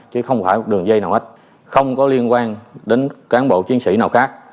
chứ không phải một đường dây nào hết không có liên quan đến cán bộ chiến sĩ nào khác